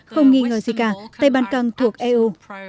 không nghi ngờ gì cả tây ban căng thuộc eu